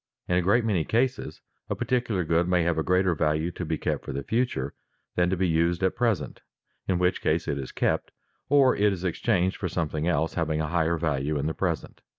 In a great many cases a particular good may have a greater value to be kept for the future than to be used at present, in which case it is kept, or it is exchanged for something else having a higher value in the present.